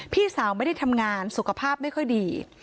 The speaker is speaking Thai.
พี่สาวไม่ได้ทำงานสุขภาพไม่ค่อยดี